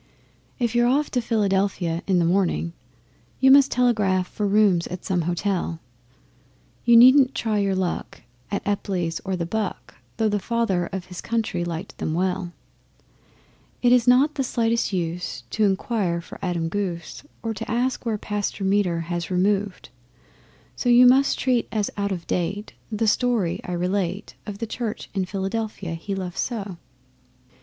If you're off to Philadelphia in the morning, You must telegraph for rooms at some Hotel. You needn't try your luck at Epply's or the 'Buck,' Though the Father of his Country liked them well. It is not the slightest use to inquire for Adam Goos, Or to ask where Pastor Meder has removed so You must treat as out of date the story I relate Of the Church in Philadelphia he loved so.